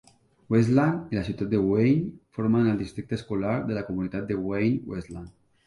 Westland i la ciutat de Wayne formen el districte escolar de la comunitat de Wayne-Westland.